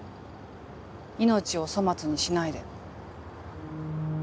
命を粗末にしないで。